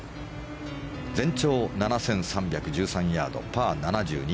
全長７３１３ヤードパー７２。